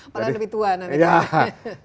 paling lebih tua nanti